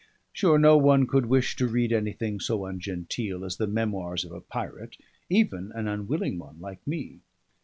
Sure, no one could wish to read anything so ungenteel as the memoirs of a pirate, even an unwilling one like me!